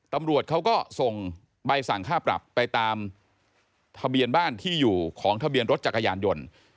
ตำรวจเขาก็ส่งใบสั่งค่าปรับไปตามทะเบียนบ้านที่อยู่ของทะเบียนรถจักรยานยนต์